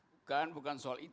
bukan bukan soal itu